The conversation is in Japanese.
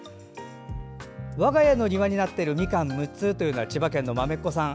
我が家の庭になっているミカン６つというのは千葉県のまめっこさん。